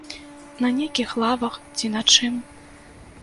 На нейкіх лавах, ці на чым.